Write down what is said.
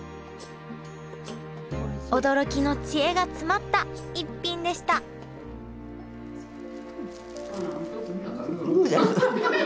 驚きの知恵が詰まった逸品でしたグーです。